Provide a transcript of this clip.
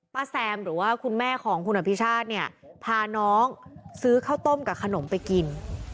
แซมหรือว่าคุณแม่ของคุณอภิชาติเนี่ยพาน้องซื้อข้าวต้มกับขนมไปกิน